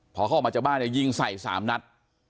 พอเขาออกมาจากบ้านเนี่ยยิงใส่๓นัด